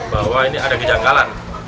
bahwa ini ada kejanggalan